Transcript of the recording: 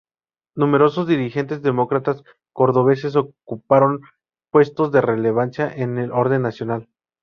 Numerosos dirigentes demócratas cordobeses ocuparon puestos de relevancia en el orden nacional.